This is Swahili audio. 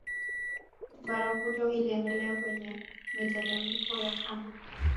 Barafuto iliendelea kwenye mitelemko ya kando